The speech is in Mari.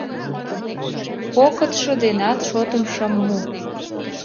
Кокытшо денат шотым шым му.